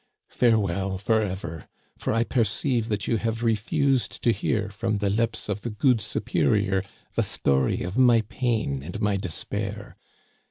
Farewell forever, for I perceive that you have refused to hear from the lips of the good superior the story of my pain and my despair.